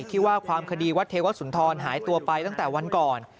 ที่ว่าความคดีวัดเทวสุนทรหายตัวไปตั้งแต่วันก่อน